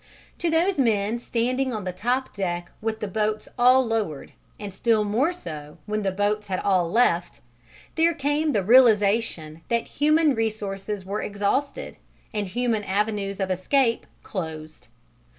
To those men standing on the top deck with the boats all lowered, and still more so when the boats had all left, there came the realization that human resources were exhausted and human avenues of escape closed.